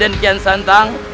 untuk kreatens secular